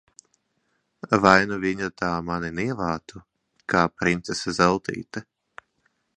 Vai nu viņa tā mani nievātu, kā princese Zeltīte!